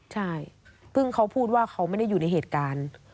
ใช่เพิ่งเขาพูดว่าเขาไม่ได้อยู่ในเหตุการณ์